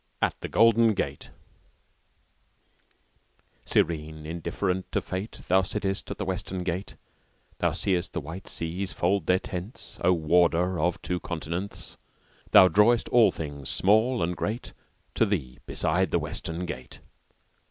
AT THE GOLDEN GATE "Serene, indifferent to fate, Thou sittest at the Western Gate; Thou seest the white seas fold their tents, Oh, warder of two continents; Thou drawest all things, small and great, To thee, beside the Western Gate."